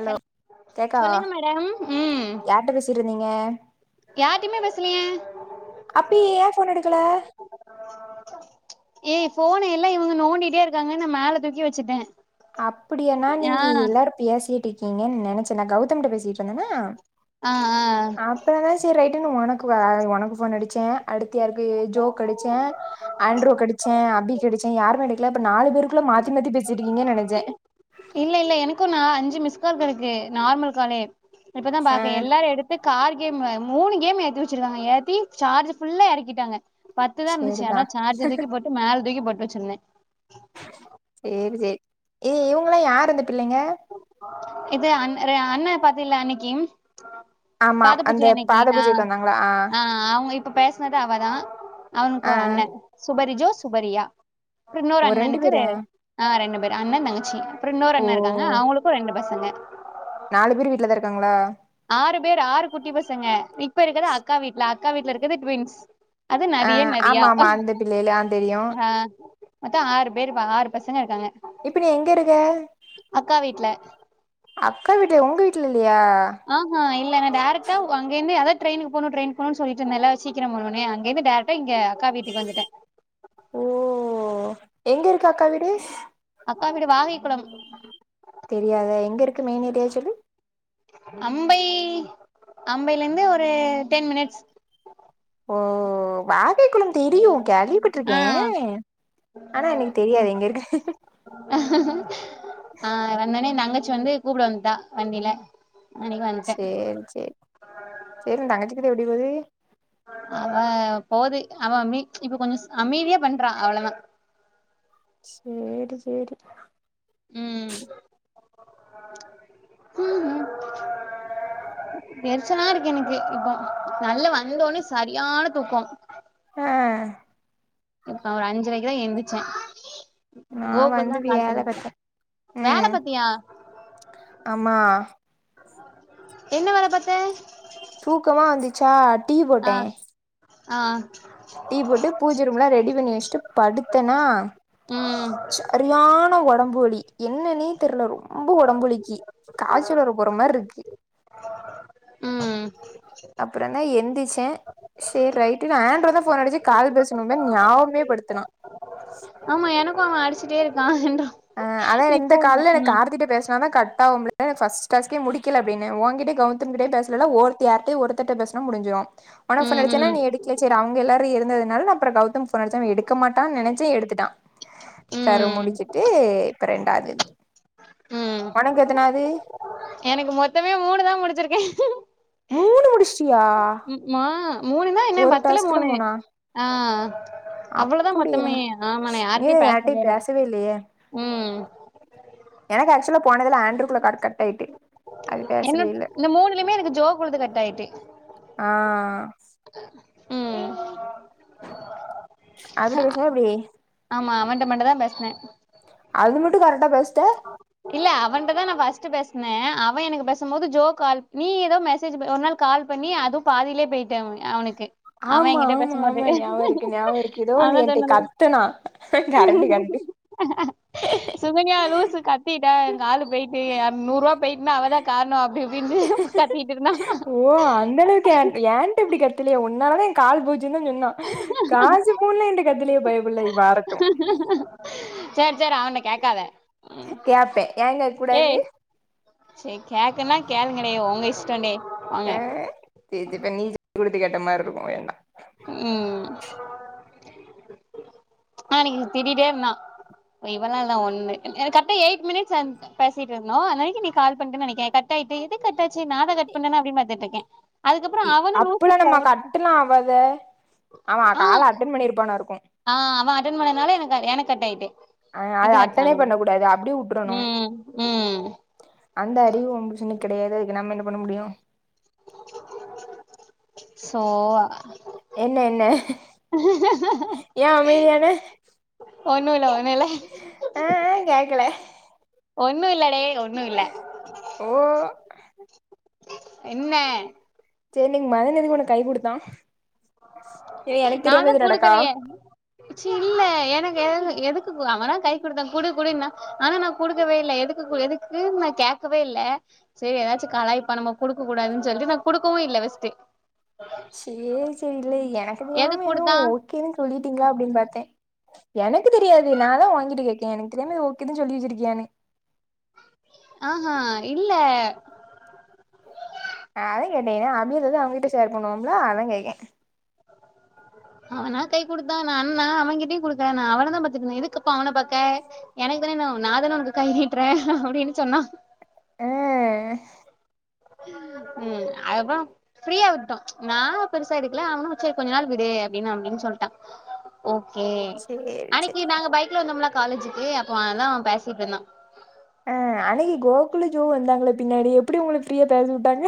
hello ஹல் கேக்காவா சொல்லுங்க மேடம் ம் யார்ட்ட பேசிட்டு இருந்தீங்க யார்ட்டியுமே பேசலயே அப்ப ஏ போன் எடுக்கல ஏய் ஃபோனு எல்லாம் இவங்க நோண்டிட்டே இருக்காங்கன்னு நா மேல தூக்கி வச்சுட்டே அப்படிய நா ஆ நீங்க எல்லாரோ பேசிட்டு இருக்கீங்கன்னு நினைச்சே நா கௌதமிட்ட பேசிட்டு இருந்தேனா அ அ அப்புற தா சரி ரைட்டுனு உனக்கு வ உனக்கு போன் அடிச்சே அடுத்து யாருக்கு ஜோக்கு அடிச்சே ஆண்ட்ரோக்கு அடிச்சே அபிக் கு அடிச்சே யாருமே எடுக்கல அப்ப நாலு பேருக்குள்ள மாத்தி மாத்தி பேசிருக்கங்கன் நெனச்சே இல்ல இல்ல எனக்கு நா அஞ்சு மிஸ்கால் கெடக்கு நார்மல் காலே இப்பதா ஆ பாக்கே எல்லாரு எடுத் து கார் கேமு மூணு கேமு ஏத்தி வச்சிருக்காங்க ஏத்தி சார்ஜ் ஃபுல்லா எறக்கிட்டாங்க பத்துதா இருந்துச்சு சரிதா ஆனா சார்ஜர் தூக்கி போட்டு மேல தூக்கி போட்டு வச்சிருந்தே சேரி சேரி ஏ இவங்களா யார் இந்த பிள்ளைங்க இது அண்ண ற அண்ண பாத்தில அன்னைக்கி ஆமா பாதபூஜ அந்த அன்னைக்கு பாத ஆ பூஜைக்கு வந்தாங்களா ஆ அவங்க இப் ப பேசினது அவதா அவனுக்கு ஆ ஒரு அண்ண சுபரிஜோ சுபரியா ப்றோ ஓ இன்னோர் ரெண்டு அண்ணனுக்கு ரெ பேரா ஆ ரெண்டு பேரு அண்ண தங்கச்சி இன்னோரு ஓ அண்ண இருக்காங்க அவங்களுக்கு ரெண்டு பசங்க நாலு பேரு வீட்லதா இருக்காங்களா ஆறு பேர் ஆறு குட்டி பசங்க இப்ப இருக்கறது அக்கா வீட்ல அக்கா வீட்டு்ல இருக்கது ட்வின்ஸ் அது நதியென் நதியா ஆமா ஆமா அந்த பிள்ளைகளு ஆ தெரியு அ மொத்தோ ஆறு பேர் ஆறு பசங்க இருக்காங்க இப்ப நீ எங்க இருக்க அக்கா வீட்ல அக்கா வீட்ல உங்க வீட்ல இல்லையா ஆஹா இல்ல ந டைரக்டா அங்கெரேந்து அதா ட்ரெயினக்கு போனு ட்ரெயினக்கு போனுனு சொல்லிட்ருந்தேல்ல சீக்கிரம் போணு அங்கே இர்ந்து டைரக் டா இங்க அக்கா வீட்டுக்கு வந்துட்டே ஓ எங்க இருக்கு அக்கா வீடு அக்காவீடு வாகைக்குளம் தெரியாத எங்க இருக்கு மெய்ன் ஏரியா சொல்லு அம்பை அம்பைலருந்து ஒரு டென் மினிட்ஸ் ஓ வாகைகுளம் தெரியு ஆ கேள்விப்பட்ருகே ஆனா எனக்கு தெரியாது எங்க இருக்கு ஆ வந்தனே எ தங்கச்சி வந்து கூப்புட வந்ட்டா வண்டில அன்னைக்கு வந்துட்டே சேர் சேர் செரி உ தங்கச்சிகிட்ட எப்டி போது ஆ போது அவ மே இப்ப கொஞ்சஸ் அமைதியா பண்றா அவ்ளோதா சேரி சேரி ம் எர்ச்சலா இருக்கு எனக்கு இப்போ நல்ல வந்த ஒன்னே சரியான தூக்கோ அ நா ஒரு அஞ்சரைகுதா எந்திச்சே நா கோகுல் தா வந்து கால் வேல பண்ணிருக்கா பாத்தே வேல ம் பத்தியா ஆமா என்ன வேல பாத்த தூக்கமா வந்துச்சா டீ ஆ போட்டே ஆ டீ போட்டு பூஜ ரூம்லா ரெடி பண்ணி வெச்ட்டு படுத்தனா ம் ச சரியான ஒடம்பு வலி என்னன்னே தெர்ல ரொம்ப ஒடம்புவலிக்கு காய்ச்சல் வர போற மார்ருக்கு ம் அப்றந்தா எந்திச்சே சேர் ரைட்டு நா ஆண்டோதா ஃபோன் அடிச்சே கால் பேசுணோமேன் ஞாபமே படுத்துனா ஆமா எனக்கு அவ அடிச்சிட்டே இருக்கா என்று அ அதா இந்த கால்ல எனக் கார்த்திகிட்ட பேசுனாதா கட்டாவும்ல [unintelligible] ஃபஸ் டாஸ்கே முடிக்குல அப்டின்னே ஓங் கிட்ட கெளதம் கிட்டயு பேசுலல்ல ஒருத்த யார்ட்டயோ ஒருத்தட்ட பேசுனா முடிஞ்சுறு ஒனக் ஃபோன் ம் அடிச்சனா ம் நீ எடுக்ல சேர் அவ்ங்க எல்லாரு இருந்ததுனால நா அப்றோ கௌதம் ஃபோன் அடிச்ச அவ எடுக்கமாட்டா நெனைச்ச எடுத்துட்டா [unintelligible] ம் முடிச்சுட்டு இப்பற ண்டாது ம் ஒனக்கு எத்தனாது எனக்கு மொத்தமே மூணு தா முடிச்சுருக்கே மூணு முடிச் ம் மா மூணுனா என்ன ஒரு பத்துல டாஸ்க்ல மூணு மூணா ஆ அவ்ளோதா அப்படியா மொத்தமே ஆமா நா நீதா யார்ட்டயு பேசவேல்ல பேசவே இல்லையே ம் எனக்கு ஆக்சுலா போனதுல ஆண்ரூகூல கால் கட் ஆய்ட்டு என்னக் இந்த மூணுலயுமே எனக்கு ஜோகூடது கட் ஆய்ட்டு ஆ ம் அப்டி [unintelligible] எப்டி ஆமா அவன்ட்ட மட்டு தா பேஸ்னே அது மட்டு கரெக்டா பேஸ்ட்ட இல்ல அவன்ட தா நா ஃபஸ்ட் பேஸ்ன அவ எனக்கு பேசு போது ஜோ கால் நீ ஏதோ மெசேஜ் ப ஒர் நாள் கால் பண்ணி அது பாதிலே போய்ட் டு அவுனுக்கு அவ ஆமா எங்கிட்ட ஆமா பேசுபோது ஆமா அத சொன்னால டுனா கரெக்டு கரெக்டு சுகன்யா லூசு கத் திட்டா எ காலு போய்ட்டு எ அ நூர்வாபோய்ட்னா அவதா காரணோ அப்டி இப் ஓ அந்தளவுக்கு [unintelligible] என்ட இப்டி கத்துலயே ஒன்னால தா ஏ காலு போச்சின்தா சொன்னா காசுபூனு என்ட்ட கத்தலயே பையபுள்ள வறட்டு சேர் சேர் அவன்ட்ட கேக்காத கேப்பே ஏ கேக்கூடாது செரி கேட்கன்னா கேளுங்கடி உங்க இஷ்டோடி போங்க செ இது பண்ணி குடுத்து கேட்ட மாரி இருக்கு வேண்டா ம் ஆ அன்னிக்கி இங்க திட்டிட்டே இருந்தா இவ்ளால்லா ஒண்ணு என்க்கு கரெட்ட எயிட் மினிட்ஸ் ஆன் பேசிட்டு இருந்தோ அந்தனைக்கு நீ கால் பண்ணிட்டே நெனைக்கே கட் ஆயிட்டு எதுக்கட் ஆச்சு நா தா கட் பண்ணனா அப்டின்னு பாத்துட்டுக்கே இ அப்பல்லா நம்ம கட்டுலா ஆவாதே ஆமா ஆ கால அட்டன் பண்ணிருப்பானா இருக்கு ஆ அவ அட்டன் பண்ணதுனால எனக்கு எனக்கு கட் ஆயிட்டு அ இது அது கட் அட்டனே ஆனது பண்ண கூடாது அப்டியே உட்டுரணு ம் ம் அந்த அறிவு உ புருஷனுக்கு கெடையாது அதுக்கு நம்ம என்ன பண்ண முடியு ஸோ என்ன என்ன ஏ அமைதியான ஒண்ணு இல்ல ஒன்னுல்ல ஆ ஆ கேக்கல ஒன்னு இல்லடே ஒன்னு இல்ல ஓ என்ன செரி இன்னைக் மதன் எதுக்கு உனக்கு கை குடுத்தா ஏ எனக்கு தெரியாம எது நடக்கா [inaudible] ச்சி இல்ல எனக்கு எதுக்கு எதுக்கு கு அவனா கை குடுத்தா குடு குடுன்னா ஆனா நா குடுக்கவே இல்ல எதுக் [unintelligible] எதுக்கு நா கேட்கவே இல்ல செரி ஏதாச்சு கலைப்பா நம்ம குடுக்க கூடாதுன்னு சொல்லி நா குடுக்கவு இல்ல ஃபர்ஸ்ட் செரி செரி இல்ல எனக்கு எதுக்கு தெரியாம ஏதவு குடுத்தா ஓகேன்னு சொல்லிட்டீங்களா அப்டின்னு பாத்த எனக்கு தெரியாது நா அதா உ கிட்ட கேக்கேன் எனக்கு தெரியாம ஓகே எதுவு சொல்லி வச்சி இருக்கியான்னு ஆ இல்ல அ அதா கேட்ட அப்டின்றது அவங்கிட்ட ஷர் பண்ணுவோமில்ல அதா கேட்ட [inaudible] அவனா கை கொடுத்தா நா அண்ணா அவன்கிட்டயையு கொடுத்த நா அவன தா பாத்துட்டுந்த எதுக்கப்பா அவன பாக்க எனக்குன்னு நாதான உனக்கு கை நீட்டுற அப்டின்னு சொன்னா ஆ ம் அதுப்பற ஃப்ரீயா விட்டோ நா பெருசா இருக்கல அவனு வச்சா கொஞ்ச நாள் விடு அப்டின்னு அப்டின்னு சொல்லிட்டா ஓகே சேரி சேரி அன்னைக்கு நாங்க பைக்ல வந்தோம்லா காலேஜுக்கு அப்ப அததா பேசிட்டு இருந்தா ஆ அன்னிக்கு கோகுல ஜோ வந்தாங்கள பின்னாடி எப்டி உங்கள ஃப்ரீயா பேசு விட்டாங்க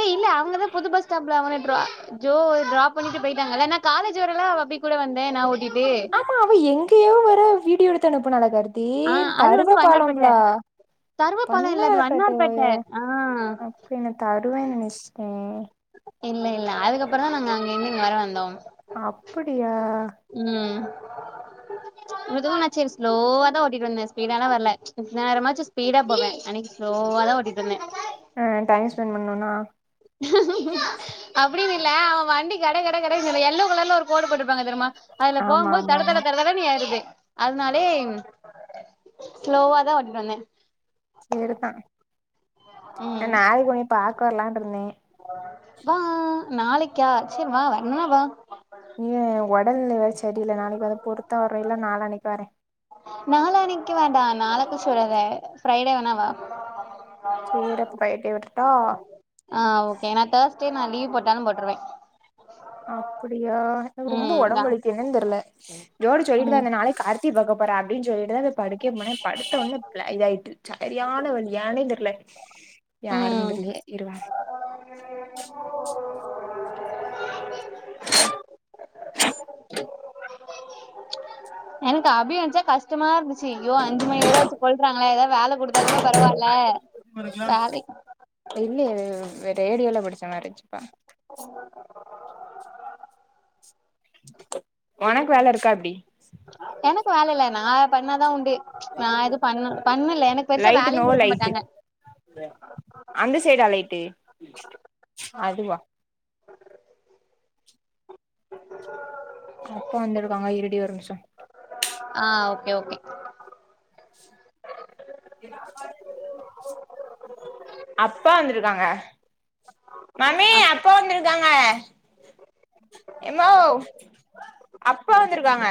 ஏய் இல்ல அவங்கதா புது பஸ் ஸ்டாம்பப்ல அவன ட்ரா ஜோ ட்ரா பண்ணிட்டு போயிட்டாங்க இல்ல நா காலேஜ் வரலா அவ அப்டியே கூட வந்த நா ஓட்டிட்டு ஆமா அவ எங்கயோ வரா வீடியோ எடுத்து அனுப்புனால கருதி ஆ தருவ பாலம்லா தருவப்பழம் இல்ல அது வண்ணார்பேட்ட ஆ அப்டின்ன நா தருவன்னு நினைச்சிட்ட இல்ல இல்ல அதுக்கப்பற தா நாங்க அங்க இருந்து இங்க வர வந்தோ அப்டியா ம் [inaudible] மிருதுவ நா ச லோவ தா ஓட்டிட்டு வந்த ஸ்பீடாலா வரல நா நரமாச்சு ஸ்பீட்டா போவ அன்னிக்கு ஸ்லோவாத ஓட்டி வந்த ஆ டைம் ஸ்பெண்ட் பண்ணணும்னா அப்டின்னு இல்ல அவ வண்டி கட கட கட எல்லோ கலர்ல ஒரு கோடு போட்டிருப்பாங்க தெரியுமா அதுல ஆமா போகும்போது ஆமா தட தட ஆமா தர தட தடணு ஏருது அதனாலே ஸ்லோவா தா ஓட்டிட்டு வந்த செரிதா ஆ ம் நாளைக்கு உன்ன பாக்க வரலாண்டு இருந்தே வா நாளைக்கா சரி வா வரன வா நீ உடல்நிலை வேற செடி இல்ல நாளைக்கு வந்து பொறுத்தா வர இல்ல நாலனைக்கு வர நால அன்க்கு வேண்டா நாளகழிச்சு வராத ஃரைடே வேணாவா சேரி அப்ப ஃபர்டே வரட்டா ஆ ஓகே நா தேர்ஸ்டே நா லீவ் போட்டாலு போட்ருவ அப்டியா எனக்கு ரொம்ப ம் உடம்புவலிக்கு என்னனு தெர்ல ஜோடி சொல்லிட்டு தா ம் இருந்தா நாளைக்கு கா டி பாக்கபோற அப்டின்னு சொல்லிட்டுதா இந்த படிக்க போன படுத்த ஒடன இதாயிட்டு சரியான வழி ஏனே தெர்ல யாருனு ம் தெர்ல இரு வர [inaudible] எனக்கு அபிய நினச்சா கஷ்டமா இருந்துச்சு ஐயோ அஞ்சுமணி வரு வச்சு கொல்றாங்களே ஏதாவது வேல கொடுத்து த்தா கூட பரவால வேலைக்கு இல்லயே இவ ரேடியோல படிச்ச மாரி இருச்சுப்பா [unintelligible] உனக்கு வேல இருக்கா எப்டி எனக்கு வேல இல்ல நா பண்ணாதா உண்டு நா இது பண்ண பண்ணல எனக்கு பெருசா லைட்டு வேலையு நோ கொடுக்க லைட்டு மாட்டாங்க அந்த சைடா லைட்டு அதுவா அப்பா வந்துருகாங்கா இருடி ஒரு நிமிஷோ ஆ ஓகே ஓகே என்ன அப்பா வந்திருக்காங்க மம்மி அப் அப்பா வந்திருக்காங்க எம்மாவ் அப்பா வந்திருக்காங்க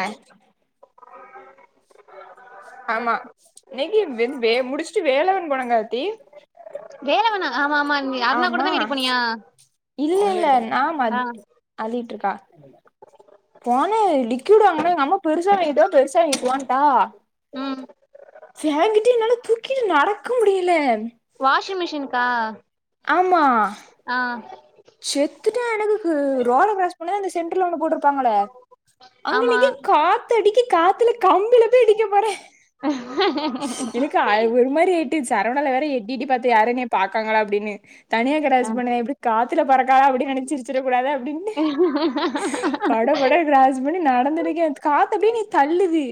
ஆமா இன்னைக்கு வென் வே முடிச்சுட்டு வேலவன் போன கார்த்தி வேலவன்னா ஆமா ஆமா அண்ணி அர்ணா ஆமா கூடதா வீட்டுக்கு போனியா இல்ல இல்ல நா ஆ மத் போன லீக்குய்ட் வாங்குன எங்க அம்மா பெருசாவாய்ட்டுவா பெருசாவிய்ட்டுவான்டா ம் சேரி கட்டி என்னால தூக்கிட்டு நடக்க முடில வாஷிங் மிஷின்கா ஆமா ஆ செத்துட்ட எனக்கு ரோட கிராஸ் பண்ணா அந்த சென்ட்ருல ஒண்ணு போட்ருப்பாங்களே ஆமா அங்கநிக்குது காத் அடிக்கி காத்துல கம்பில போய் இடிக்க போறே எனக்கு ஒரு மாரி ஆய்ர் ச்சி சரவணால வேற எட்டி எட்டி பாத்தே யாருமே பக்காங்களா அப்டினு தனியா ஆ கிராஸ் பண்ண எப்டி காத் தில பறக்காத அப்டினு நெனச்சு சிரிசிட கூடாது அப்பிடின்னு [inaudible] பட பட கிராஸ் பண்ணி நடந்துட்ருக்கே காத்து அப்டியே என்ன தள்ளுது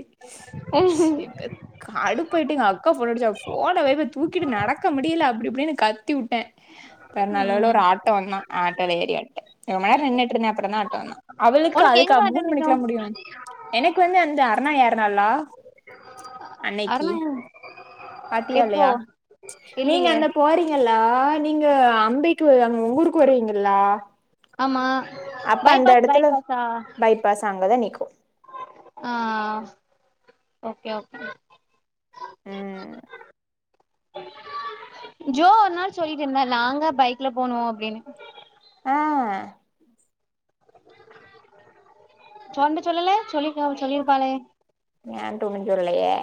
கடுப்பாய்ட்டு எங்க அக்கா ஃபோன் அடிச்சு ஃபோன வைப்ப தூக்கிட்டு நடக்க முடில அப்டி இப்டின்னு கத்தி வுட்டே ப நல்ல வேள ம் ஒரு ஆட்டோ வந்தா ஆட்டோல ஏறி வன்ட்ட ரொம்ப நேரோ நின்னுட்ருந்தே அப்றோ தா ஆட்டோ வந்தா அவளுக்கு உனக்கு அதுக்கு எங்க ஆட்டோ மூணு நிக்கு மணிக்குல்லா முடியு எனக்கு வந்து அந்த அருன்ணா யேர்நாளா அன்னைக்கு அருணா பாத்தியா எப்போ இல்லையா நீங்க இல்லையே அங்க போறிங் ளா நீங்க அம்பைக்கு அங்க உங்க ஊருக்கு வருவீங்ளா ஆமா பைபாஸ் பைபாஸ் ஆ பஸ் அங்கதா நிக்கு ஆ ஓகே ஓகே ம் ஜோ ஒரு நாள் சொல்லிட்ருந்தா நாங்கா பைக்ல போனோ அப்டின்னு ஆ ஓண்ட சொல்லல சொல்லி சொல்லிருப்பாளே ஏண்ட ஒன்னு சொல்லலையே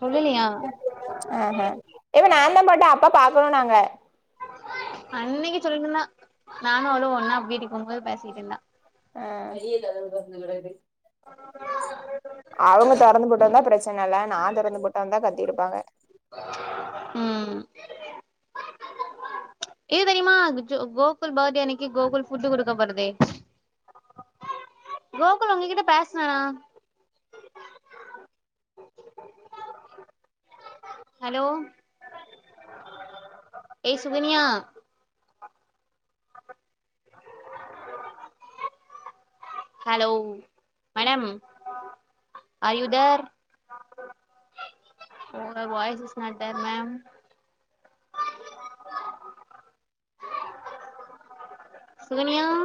சொல்லுலியா ஆ ஹ ஏவ நாந்தா போட்ட அப்பா பாக்கணு நாங்க அன்னைக்கு சொன்னா நானு அவளு ஒன்னா வீட்டுக்கு போம்போது பேசிட்டு இருந்தா அ அவூங்க தொறந்து போட்டு வந்தா பிரச்சன இல்ல நா தெறந்து போட்டு வந்தா கத்திருப்பாங்க ம் இது தெரியுமா கோகுல் ஜோ பர்த்டே அன்னிக்கு கோகுல் ஃபுட்டு் குடுக்கபோறது கோகுல் உங்ககிட்ட பேசுனானா ஹலோ ஏ Sukanya hello madam are you there உங்க voice is not there ma'am Sukanya